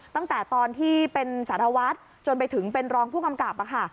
ตั้งแต่ตอนที่เป็นสารวัตรจนไปถึงเป็นรองผู้กำกับค่ะ